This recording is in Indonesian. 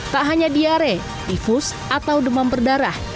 tak hanya diare tifus atau demam berdarah